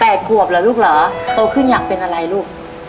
ขวบเหรอลูกเหรอโตขึ้นอยากเป็นอะไรลูก